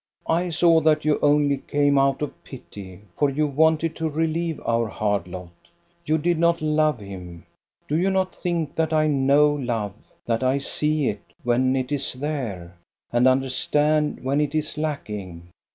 " I saw that you only came out of pity, for you wanted to relieve our hard lot. You did not love him. Do you not think that I know love, that I see it, when it is there, and understand when it is lack ing.